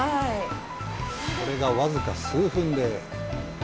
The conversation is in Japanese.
これが僅か数分で。